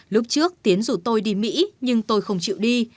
lúc trước tiến rủ tôi đi mỹ nhưng tôi không chịu đi